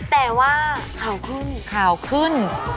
แต่ว่าข่าวขึ้นข่าวขึ้น